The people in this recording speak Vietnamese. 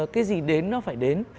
cái gì đến nó phải đến